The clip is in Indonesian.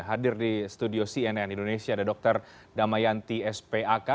hadir di studio cnn indonesia ada dr damayanti spak